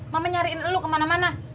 mama nyariin lu kemana mana